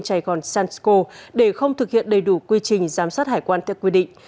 sài gòn transco để không thực hiện đầy đủ quy trình giám sát hải quan theo quy định